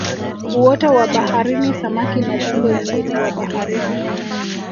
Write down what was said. Uoto wa baharini samaki na viumbe wengine wa baharini